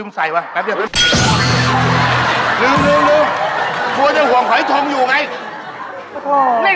๑๐วินาที